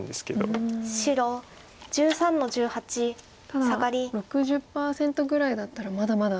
ただ６０％ぐらいだったらまだまだ。